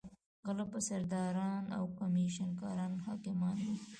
غله به سرداران او کمېشن کاران حاکمان وي.